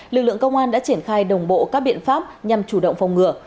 lực lượng công an đã triển khai đồng bộ các biện pháp nhằm chủ động phòng ngừa